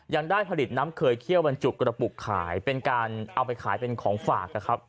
ยังได้ผลิตน้ำเคยเคี่ยวบรรจุกระปุกขายเป็นการเอาไปขายเป็นของฝากนะครับ